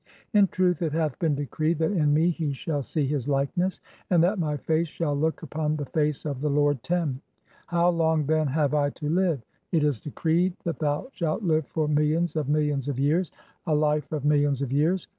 In truth, it hath been decreed that in me he shall "see his likeness, and that my face (16) shall look upon the "face of the lord Tem. How long then have I to live ? It is "decreed that thou shalt live for millions of millions of years, "a life of millions of years.